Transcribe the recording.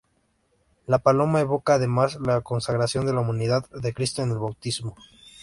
La paloma evoca además la consagración de la humanidad de Cristo en el bautismo.